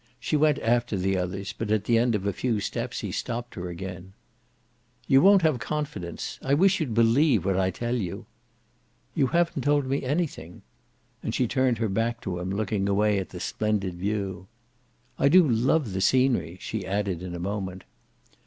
She went after the others, but at the end of a few steps he stopped her again. "You won't have confidence. I wish you'd believe what I tell you." "You haven't told me anything." And she turned her back to him, looking away at the splendid view. "I do love the scenery," she added in a moment.